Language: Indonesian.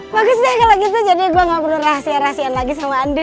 bagus deh kalau gitu jadi gue gak perlu rahasia rahasilan lagi sama andi